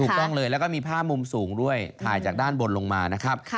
ต้องเลยแล้วก็มีภาพมุมสูงด้วยถ่ายจากด้านบนลงมานะครับ